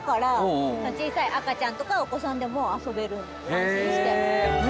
安心して。